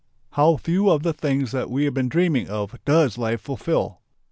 How few of the things we have been dreaming of does life fulfil!